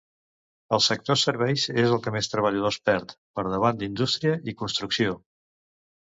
El sector Serveis és el que més treballadors perd, per davant d'Indústria i Construcció.